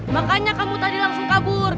makanya kamu tadi langsung kabur